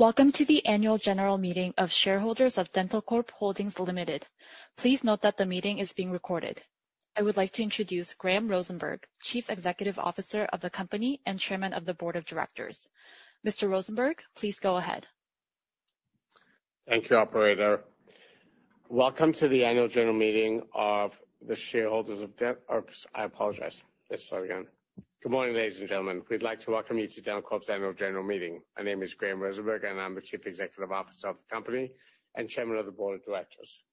Welcome to the annual general meeting of shareholders of Dentalcorp Holdings Ltd. Please note that the meeting is being recorded. I would like to introduce Graham Rosenberg, Chief Executive Officer of the company and Chairman of the Board of Directors. Mr. Rosenberg, please go ahead. Good morning, ladies and gentlemen. We'd like to welcome you to Dentalcorp's annual general meeting. My name is Graham Rosenberg, and I'm the Chief Executive Officer of the company and Chairman of the Board of Directors.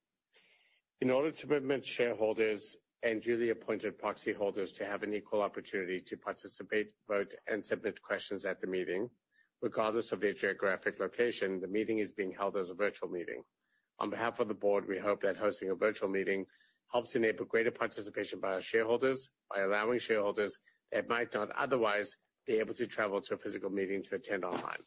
In order to permit shareholders and duly appointed proxy holders to have an equal opportunity to participate, vote, and submit questions at the meeting, regardless of their geographic location, the meeting is being held as a virtual meeting. On behalf of the board, we hope that hosting a virtual meeting helps enable greater participation by our shareholders, by allowing shareholders that might not otherwise be able to travel to a physical meeting to attend online.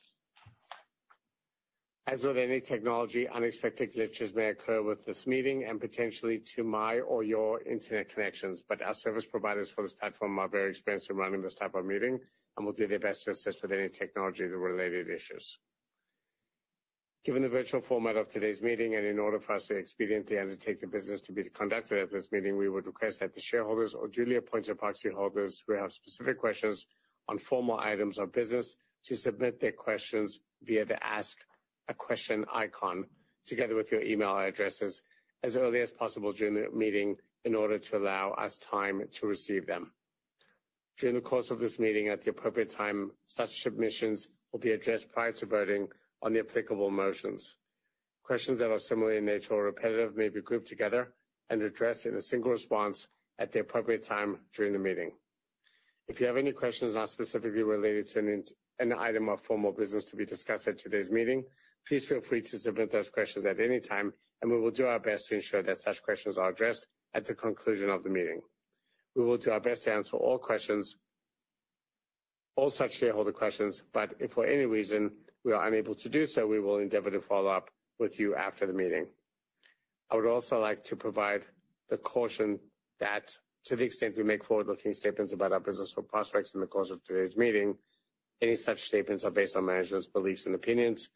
As with any technology, unexpected glitches may occur with this meeting and potentially to my or your internet connections, but our service providers for this platform are very experienced in running this type of meeting and will do their best to assist with any technology-related issues. Given the virtual format of today's meeting, and in order for us to expediently undertake the business to be conducted at this meeting, we would request that the shareholders or duly appointed proxy holders who have specific questions on formal items or business to submit their questions via the Ask a Question icon, together with your email addresses, as early as possible during the meeting in order to allow us time to receive them. During the course of this meeting, at the appropriate time, such submissions will be addressed prior to voting on the applicable motions. Questions that are similar in nature or repetitive may be grouped together and addressed in a single response at the appropriate time during the meeting. If you have any questions not specifically related to an item of formal business to be discussed at today's meeting, please feel free to submit those questions at any time, and we will do our best to ensure that such questions are addressed at the conclusion of the meeting. We will do our best to answer all questions, all such shareholder questions, but if for any reason we are unable to do so, we will endeavor to follow up with you after the meeting. I would also like to provide the caution that to the extent we make forward-looking statements about our business or prospects in the course of today's meeting, any such statements are based on management's beliefs and opinions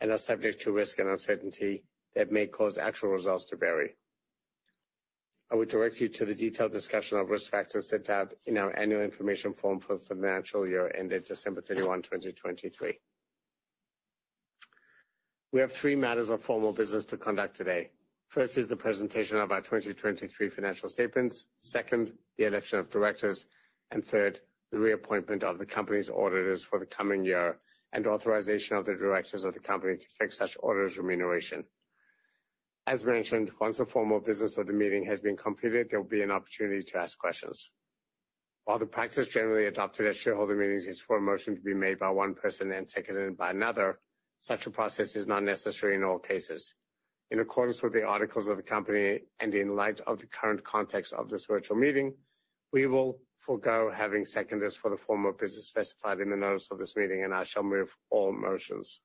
and are subject to risk and uncertainty that may cause actual results to vary. I would direct you to the detailed discussion of risk factors set out in our Annual Information Form for the financial year ended December 31, 2023. We have three matters of formal business to conduct today. First is the presentation of our 2023 financial statements. Second, the election of directors, and third, the reappointment of the company's auditors for the coming year and authorization of the directors of the company to fix such auditors' remuneration. As mentioned, once the formal business of the meeting has been completed, there will be an opportunity to ask questions. While the practice generally adopted at shareholder meetings is for a motion to be made by one person and seconded by another, such a process is not necessary in all cases. In accordance with the articles of the company and in light of the current context of this virtual meeting, we will forgo having seconders for the formal business specified in the notice of this meeting, and I shall move all motions.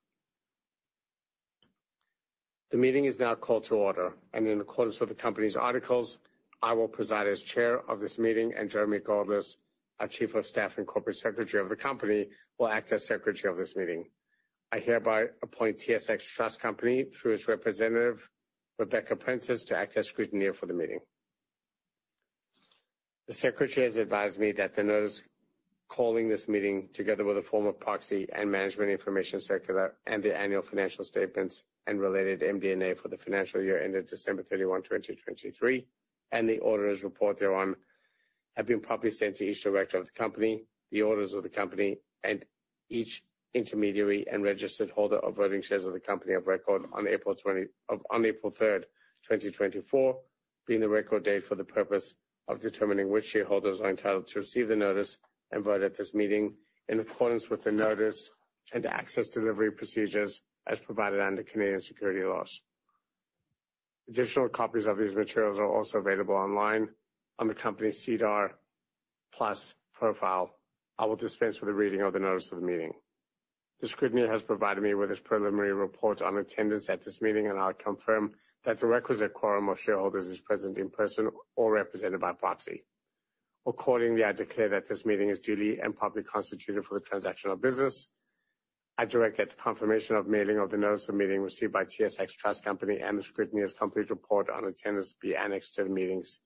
The meeting is now called to order, and in accordance with the company's articles, I will preside as chair of this meeting, and Jeremy Goldlist, our Chief of Staff and Corporate Secretary of the company, will act as secretary of this meeting. I hereby appoint TSX Trust Company through its representative, Rebecca Prentice, to act as scrutineer for the meeting. The secretary has advised me that the notice calling this meeting, together with a form of proxy and management information circular, and the annual financial statements and related MD&A for the financial year ended December 31, 2023, and the auditors' report thereon, have been properly sent to each director of the company, the auditors of the company, and each intermediary and registered holder of voting shares of the company of record on April 3, 2024, being the record date for the purpose of determining which shareholders are entitled to receive the notice and vote at this meeting in accordance with the notice and access delivery procedures as provided under Canadian securities laws. Additional copies of these materials are also available online on the company's SEDAR+ profile. I will dispense with the reading of the notice of the meeting. The scrutineer has provided me with his preliminary report on attendance at this meeting, and I confirm that the requisite quorum of shareholders is present in person or represented by proxy. Accordingly, I declare that this meeting is duly and properly constituted for the transaction of business. I direct that the confirmation of mailing of the notice of meeting received by TSX Trust Company and the scrutineer's complete report on attendance be annexed to the meetings,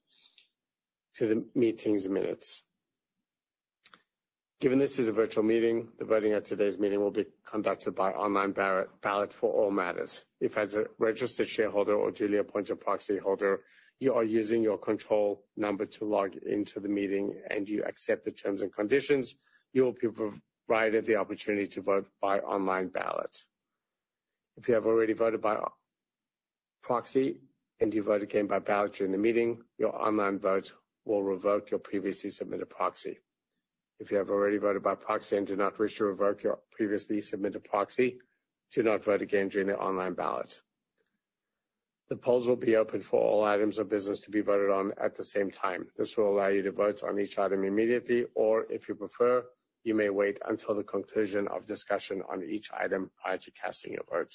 to the meeting's minutes. Given this is a virtual meeting, the voting at today's meeting will be conducted by online ballot for all matters. If, as a registered shareholder or duly appointed proxy holder, you are using your control number to log into the meeting and you accept the terms and conditions, you will be provided the opportunity to vote by online ballot. If you have already voted by proxy and you vote again by ballot during the meeting, your online vote will revoke your previously submitted proxy. If you have already voted by proxy and do not wish to revoke your previously submitted proxy, do not vote again during the online ballot. The polls will be open for all items of business to be voted on at the same time. This will allow you to vote on each item immediately, or if you prefer, you may wait until the conclusion of discussion on each item prior to casting your vote....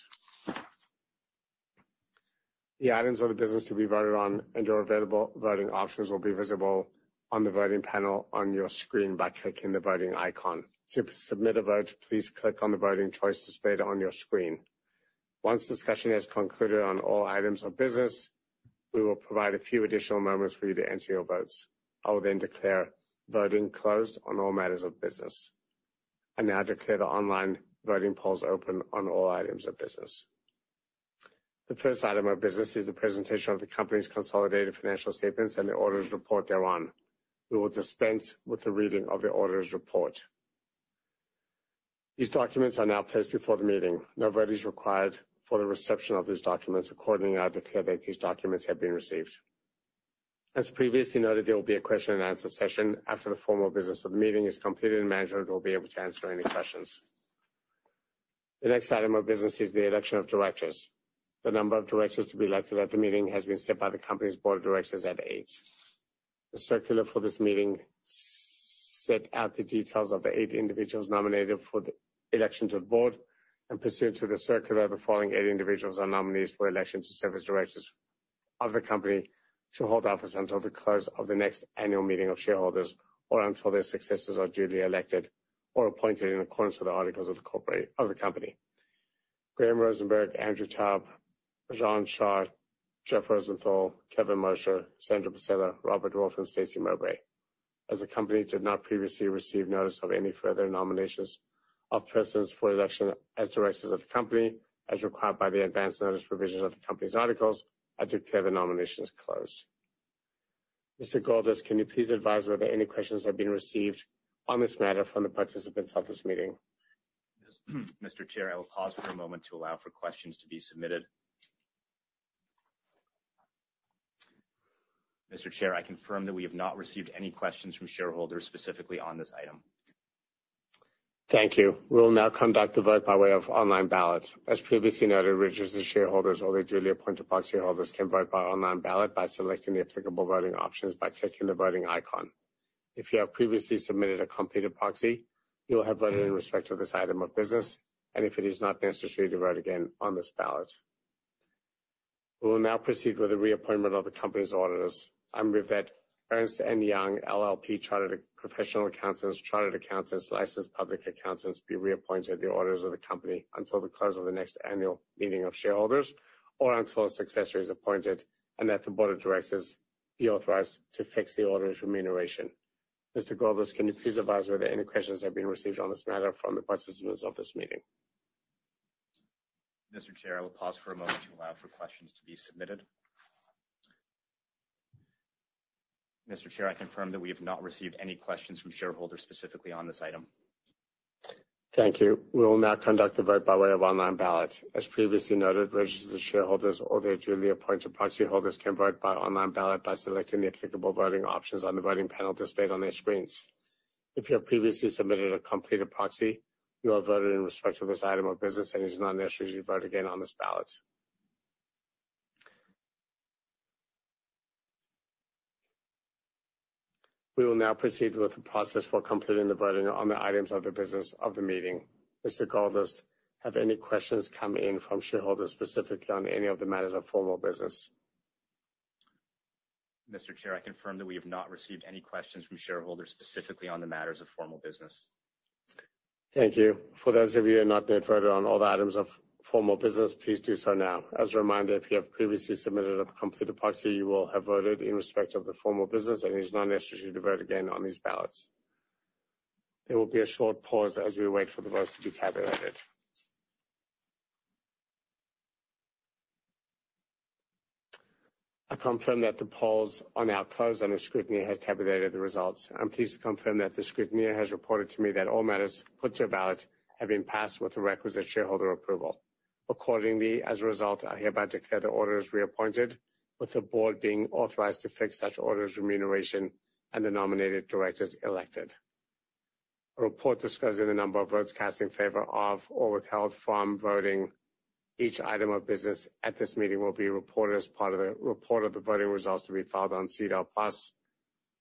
The items of the business to be voted on and your available voting options will be visible on the voting panel on your screen by clicking the voting icon. To submit a vote, please click on the voting choice displayed on your screen. Once discussion is concluded on all items of business, we will provide a few additional moments for you to enter your votes. I will then declare voting closed on all matters of business. I now declare the online voting polls open on all items of business. The first item of business is the presentation of the company's consolidated financial statements and the auditor's report thereon. We will dispense with the reading of the auditor's report. These documents are now placed before the meeting. No vote is required for the reception of these documents. Accordingly, I declare that these documents have been received. As previously noted, there will be a question and answer session after the formal business of the meeting is completed, and management will be able to answer any questions. The next item of business is the election of directors. The number of directors to be elected at the meeting has been set by the company's board of directors at eight. The circular for this meeting set out the details of the eight individuals nominated for the election to the board, and pursuant to the circular, the following eight individuals are nominees for election to serve as directors of the company to hold office until the close of the next annual meeting of shareholders, or until their successors are duly elected or appointed in accordance with the articles of the company. Graham Rosenberg, Andrew Taub, Gino Scapillati, Jeffrey Rosenthal, Kevin Mosher, Sandra Bosela, Robert Wolf, and Stacey Mowbray. As the company did not previously receive notice of any further nominations of persons for election as directors of the company, as required by the advance notice provisions of the company's articles, I declare the nominations closed. Mr. Goldlist, can you please advise whether any questions have been received on this matter from the participants of this meeting? Mr. Chair, I will pause for a moment to allow for questions to be submitted. Mr. Chair, I confirm that we have not received any questions from shareholders specifically on this item. Thank you. We will now conduct the vote by way of online ballots. As previously noted, registered shareholders or their duly appointed proxy holders can vote by online ballot by selecting the applicable voting options by clicking the voting icon. If you have previously submitted a completed proxy, you will have voted in respect to this item of business, and if it is not necessary to vote again on this ballot. We will now proceed with the reappointment of the company's auditors, and with that Ernst & Young LLP, chartered professional accountants, chartered accountants, licensed public accountants, be reappointed the auditors of the company until the close of the next annual meeting of shareholders or until a successor is appointed, and that the board of directors be authorized to fix the auditor's remuneration. Mr. Goldlist, can you please advise whether any questions have been received on this matter from the participants of this meeting? Mr. Chair, I will pause for a moment to allow for questions to be submitted. Mr. Chair, I confirm that we have not received any questions from shareholders specifically on this item. Thank you. We will now conduct the vote by way of online ballot. As previously noted, registered shareholders or their duly appointed proxy holders can vote by online ballot by selecting the applicable voting options on the voting panel displayed on their screens. If you have previously submitted a completed proxy, you have voted in respect of this item of business, and it is not necessary to vote again on this ballot. We will now proceed with the process for completing the voting on the items of the business of the meeting. Mr. Goldlist, have any questions come in from shareholders, specifically on any of the matters of formal business? Mr. Chair, I confirm that we have not received any questions from shareholders, specifically on the matters of formal business. Thank you. For those of you who have not voted on all the items of formal business, please do so now. As a reminder, if you have previously submitted a completed proxy, you will have voted in respect of the formal business, and it is not necessary to vote again on these ballots. There will be a short pause as we wait for the votes to be tabulated. I confirm that the polls are now closed, and the scrutineer has tabulated the results. I'm pleased to confirm that the scrutineer has reported to me that all matters put to a ballot have been passed with the requisite shareholder approval. Accordingly, as a result, I hereby declare the auditors are reappointed, with the board being authorized to fix their remuneration, and the nominated directors elected. A report discussing the number of votes cast in favor of, or withheld from voting each item of business at this meeting will be reported as part of the report of the voting results to be filed on SEDAR+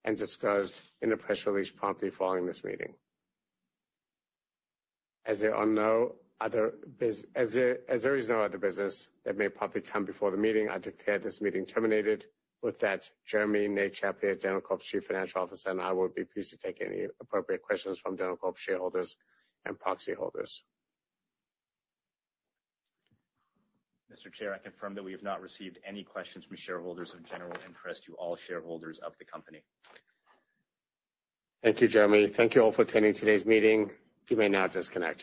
and discussed in a press release promptly following this meeting. As there is no other business that may possibly come before the meeting, I declare this meeting terminated. With that, Jeremy, Nate Tchaplia, dentalcorp's Chief Financial Officer, and I will be pleased to take any appropriate questions from dentalcorp shareholders and proxy holders. Mr. Chair, I confirm that we have not received any questions from shareholders of general interest to all shareholders of the company. Thank you, Jeremy. Thank you all for attending today's meeting. You may now disconnect.